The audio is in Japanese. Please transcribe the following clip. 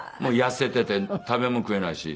痩せていて食べ物食えないし。